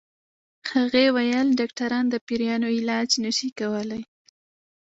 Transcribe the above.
هغې ويل ډاکټران د پيريانو علاج نشي کولی